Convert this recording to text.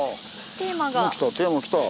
テーマ来た。